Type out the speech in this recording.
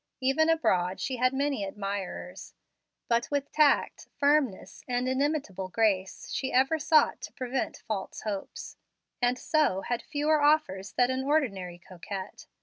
Even abroad she had many admirers; but with tact, firmness, and inimitable grace, she ever sought to prevent false hopes, and so had fewer offers than an ordinary coquette.